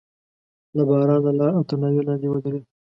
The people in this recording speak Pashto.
له بارانه لاړ او تر ناوې لاندې ودرېد.